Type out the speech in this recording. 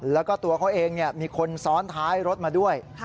แล้วก็ตัวเขาเองมีคนซ้อนท้ายรถมาด้วย